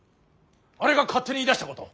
あれが勝手に言いだしたこと。